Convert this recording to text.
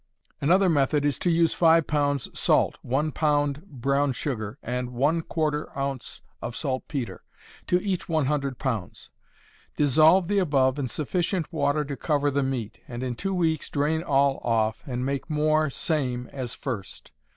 Another method is to use 5 pounds salt, 1 pound brown sugar, and ¼ oz. of saltpetre, to each 100 pounds; dissolve the above in sufficient water to cover the meat, and in two weeks drain all off, and make more same as first.